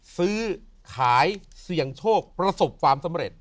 ซื้อขายเสี่ยงโชคประสบความสำเร็จ